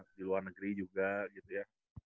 di luar negeri juga gitu ya